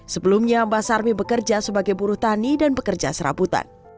sebelumnya mbak sarmi bekerja sebagai buruh tani dan pekerja serabutan